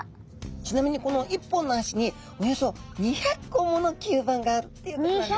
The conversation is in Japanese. ちなみにこの１本の足におよそ２００個もの吸盤があるっていうことなんですね。